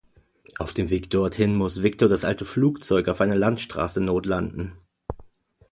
Auf dem Weg dorthin muss Viktor das alte Flugzeug auf einer Landstraße notlanden.